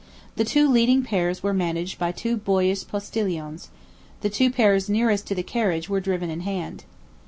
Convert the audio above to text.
The two leading pairs were managed by two boyish postilions, the two pairs nearest to the carriage were driven in hand.